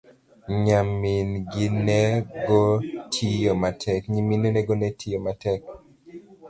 Nyiminego tiyo matek